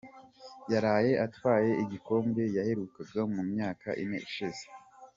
yaraye Atwaye igikombe yaherukaga mu myaka Ine ishize